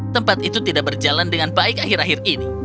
tempat itu tidak berjalan dengan baik akhir akhir ini